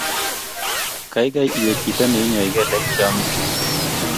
Geigei iwe chito neinyoi keleek cheamin